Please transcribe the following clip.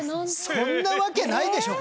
そんなわけないでしょ！